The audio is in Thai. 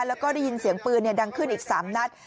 แล้วก็ได้ยินเสียงปืนดังขึ้นอีก๓นัด